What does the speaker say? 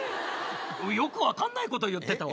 よく分かんないこと言ってたわ。